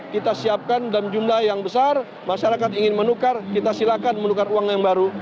kita siapkan dalam jumlah yang besar masyarakat ingin menukar kita silakan menukar uang yang baru